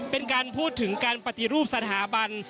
เป็นการพูดถึงการปฏิรูปสถาบัน